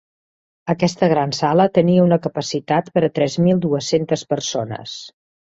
Aquesta gran sala tenia una capacitat per a tres mil dues-centes persones.